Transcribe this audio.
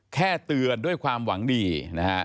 แค่เตือนด้วยความหวังดีนะฮะ